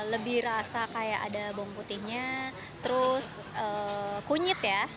lebih rasa kayak ada bawang putihnya terus kunyit ya